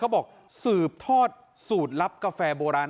บอกสืบทอดสูตรลับกาแฟโบราณ